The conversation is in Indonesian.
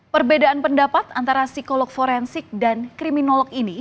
perbedaan pendapat antara psikolog forensik dan kriminolog ini